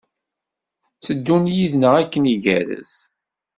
Tteddun yid-neɣ akken igerrez.